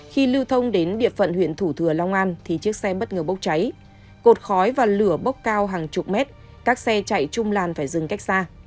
khi lưu thông đến địa phận huyện thủ thừa long an thì chiếc xe bất ngờ bốc cháy cột khói và lửa bốc cao hàng chục mét các xe chạy chung làn phải dừng cách xa